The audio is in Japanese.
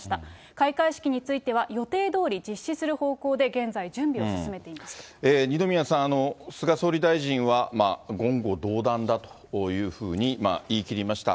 開会式については、予定どおり実施する方向で、現在、二宮さん、菅総理大臣は、言語道断だというふうに言い切りました。